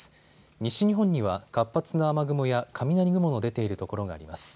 西日本には活発な雨雲や雷雲の出ている所があります。